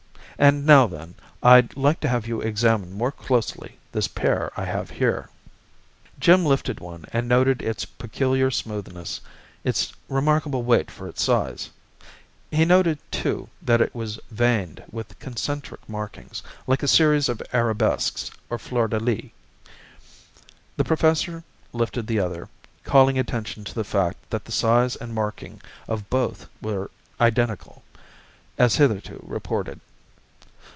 And now then, I'd like to have you examine more closely this pair I have here." Jim lifted one and noted its peculiar smoothness, its remarkable weight for its size; he noted, too, that it was veined with concentric markings, like a series of arabesques or fleurs de lis. The professor lifted the other, calling attention to the fact that the size and marking of both were identical, as hitherto reported.